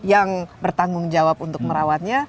yang bertanggung jawab untuk merawatnya